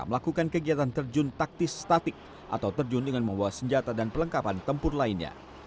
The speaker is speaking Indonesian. melakukan kegiatan terjun taktis statik atau terjun dengan membawa senjata dan pelengkapan tempur lainnya